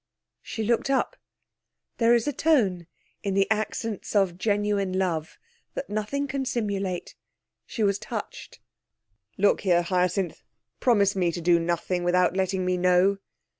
She looked up. There is a tone in the accents of genuine love that nothing can simulate. She was touched. 'Look here, Hyacinth, promise me to do nothing without letting me know.'